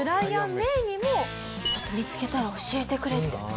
ちょっと見つけたら教えてくれって。